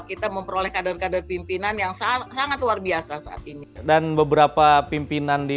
kita memperoleh kader kader pimpinan yang sangat sangat luar biasa saat ini dan beberapa pimpinan di